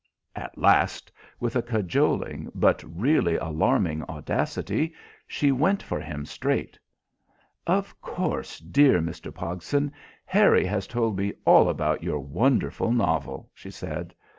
At last, with a cajoling but really alarming audacity, she went for him straight. "Of course, dear Mr. Pogson, Harry has told me all about your wonderful novel," she said.